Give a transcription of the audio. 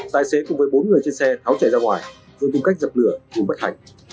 tại xế cùng với bốn người trên xe tháo chảy ra ngoài rồi tùm cách dập lửa vùng bất hạnh